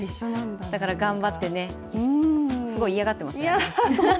だから頑張ってね、すごい嫌がってますね。